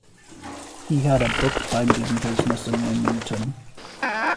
He had a book binding business in Leamington.